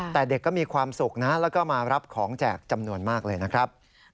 แต่เด็กก็มีความสุขนะแล้วก็มารับของแจกจำนวนมากเลยนะครับ